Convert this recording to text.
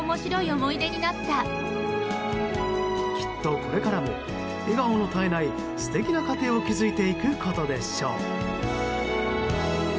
きっとこれからも笑顔の絶えない素敵な家庭を築いていくことでしょう。